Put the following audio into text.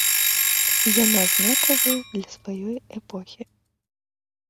Яна знакавая для сваёй эпохі.